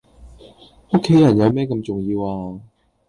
屋企人有咩咁重要呀?